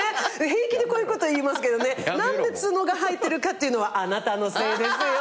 平気でこういうこと言いますけどね何で角が生えてるかっていうのはあなたのせいですよ